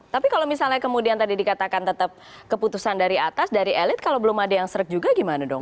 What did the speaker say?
tapi kalau misalnya kemudian tadi dikatakan tetap keputusan dari atas dari elit kalau belum ada yang serek juga gimana dong